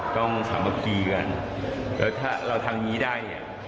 ต้องสมกีกันแล้วถ้าเราทางนี้ได้